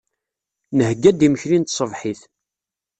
Nheyya-d imekli n tṣebḥit.